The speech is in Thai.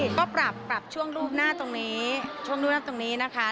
ก็ปรับปรับช่วงรูปหน้าตรงนี้ช่วงนู้นหน้าตรงนี้นะคะ